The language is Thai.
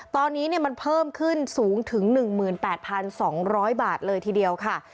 ตอนนี้มันเพิ่มขึ้นสูงถึง๑๘๒๐๐บาทเลยทีเดียวค่ะ